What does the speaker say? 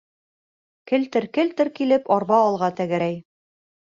Келтер-келтер килеп арба алға тәгәрәй.